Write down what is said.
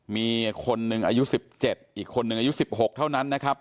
มีคนหนึ่งอายุสิบเจ็บอีกคนหนึ่งอายุสิบหกเท่านั้นนะครับ